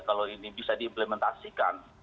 kalau ini bisa diimplementasikan